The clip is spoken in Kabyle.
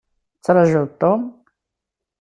Tettrajuḍ Tom?